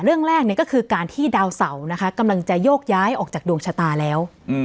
เรื่องแรกก็คือการที่ดาวเสานะคะกำลังจะโยกย้ายออกจากดวงชะตาแล้ว